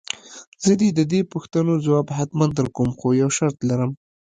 زه دې د دې پوښتنې ځواب حتماً درکوم خو يو شرط لرم.